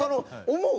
思う？